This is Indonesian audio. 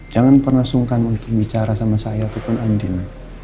jangan pernah sungkan untuk bicara sama saya atau dengan adin